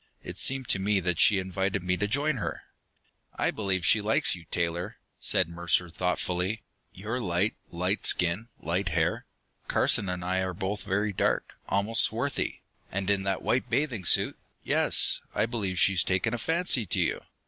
It seemed to me that she invited me to join her. "I believe she likes you, Taylor," said Mercer thoughtfully. "You're light, light skin, light hair. Carson and I are both very dark, almost swarthy. And in that white bathing suit yes, I believe she's taken a fancy to you!"